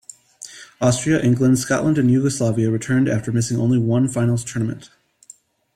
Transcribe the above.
Austria, England, Scotland and Yugoslavia returned after missing only one finals tournament.